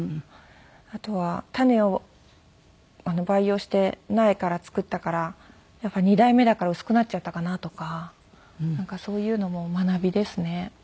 あとは種を培養して苗から作ったからやっぱり２代目だから薄くなっちゃったかなとかなんかそういうのも学びですね。